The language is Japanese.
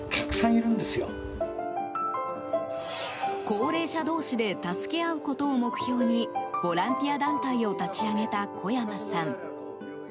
高齢者同士で助け合うことを目標にボランティア団体を立ち上げた小山さん。